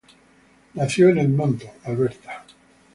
Nació en Edmonton, Alberta.